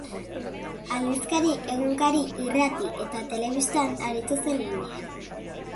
Aldizkari, egunkari, irrati eta telebistan aritu zen lanean.